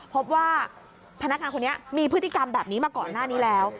พบว่าพนักงานคนนี้มีพฤติกรรมแบบนี้มาก่อนหน้านี้แล้ว